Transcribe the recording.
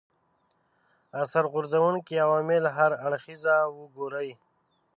اثر غورځونکي عوامل هر اړخیزه وګوري